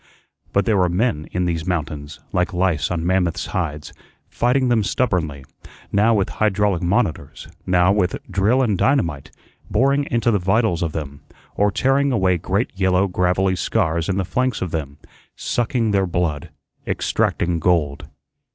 But there were men in these mountains, like lice on mammoths' hides, fighting them stubbornly, now with hydraulic "monitors," now with drill and dynamite, boring into the vitals of them, or tearing away great yellow gravelly scars in the flanks of them, sucking their blood, extracting gold.